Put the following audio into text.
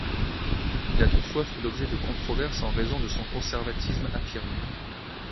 Il a toutefois fait l'objet de controverses en raison de son conservatisme affirmé.